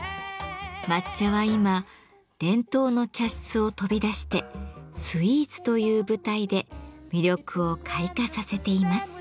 抹茶は今伝統の茶室を飛び出してスイーツという舞台で魅力を開花させています。